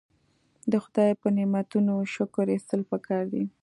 د خدای په نعمتونو شکر ایستل پکار دي.